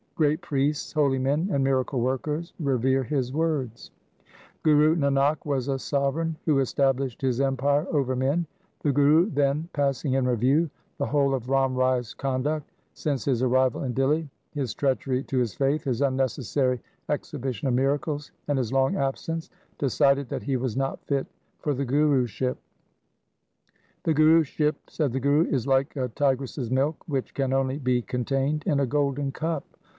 Great priests, holy men, and miracle workers revere his words. 1 Asa ki War. THE SIKH RELIGION Guru Nanak was a sovereign who established his empire over men.' The Guru then passing in review the whole of Ram Rai's conduct since his arrival in Dihli, his treachery to his faith, his unnecessary exhibition of miracles, and his long absence, decided that he was not fit for the Guruship. ' The Guruship,' said the Guru, ' is like a tigress's milk which can only be contained in a golden cup.